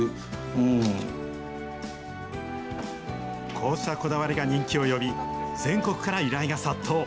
こうしたこだわりが人気を呼び、全国から依頼が殺到。